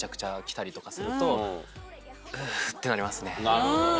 なるほどね。